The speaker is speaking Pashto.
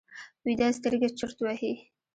ویده سترګې چورت وهي